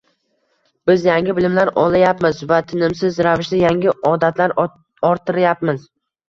Biz yangi bilimlar olayapmiz va tinimsiz ravishda yangi odatlar orttirayapmiz